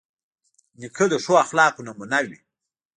نیکه د ښو اخلاقو نمونه وي.